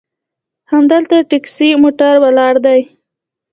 همدلته ټیکسي موټر ولاړ دي.